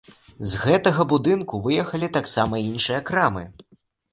З гэтага будынку выехалі таксама іншыя крамы.